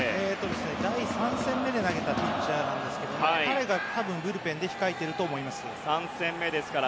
第３戦目で投げたピッチャーなんですが彼が多分、ブルペンに控えていると思います。